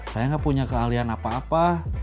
saya gak punya keahlian apa apa